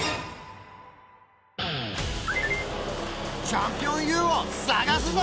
チャンピオンＹＯＵを探すぞ！